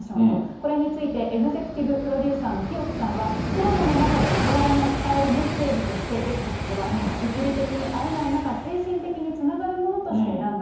これについて、エグゼクティブプロデューサーの日置さんは、コロナの中でわれわれが伝えるメッセージとしてできたことば、物理的に会えない中、精神的につながるものとして選んだ。